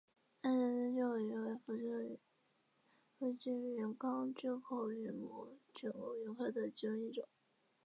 暗色真巨口鱼为辐鳍鱼纲巨口鱼目巨口鱼科的其中一种。